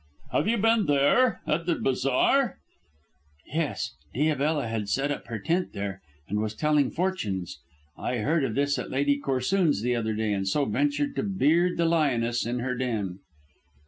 "Have you been there at the bazaar?" "Yes. Diabella had set up her tent there and was telling fortunes. I heard of this at Lady Corsoon's the other day, and so ventured to beard the lioness in her den."